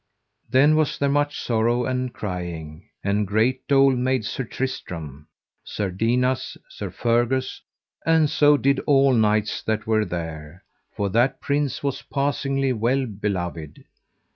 Then was there much sorrow and crying, and great dole made Sir Tristram, Sir Dinas, Sir Fergus, and so did all knights that were there; for that prince was passingly well beloved.